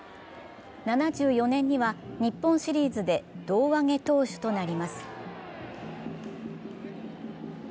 ７４年には日本シリーズで胴上げ投手となります。